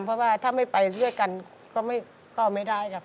เพราะว่าถ้าไม่ไปด้วยกันก็ไม่ได้ครับ